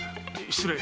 失礼。